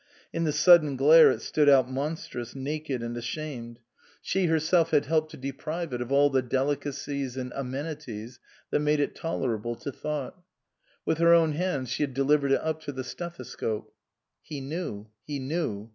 In the sudden glare it stood out monstrous, naked and ashamed ; she her 304 MISS QUINCEY STANDS BACK self had helped to deprive it of all the delicacies and amenities that made it tolerable to thought. With her own hands she had delivered it up to the stethoscope. He knew, he knew.